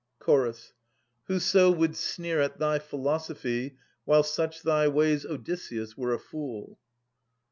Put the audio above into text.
Ch. Whoso would sneer at thy philosophy. While such thy ways, Odysseus, were a fool.